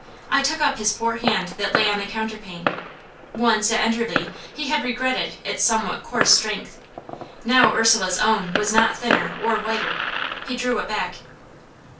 I took up his poor hand that lay on the counterpane; once, at Enderley, he had regretted its somewhat coarse strength: now Ursula's own was not thinner or whiter. He drew it back.